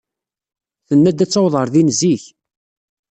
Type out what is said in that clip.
Tenna-d ad taweḍ ɣer din zik.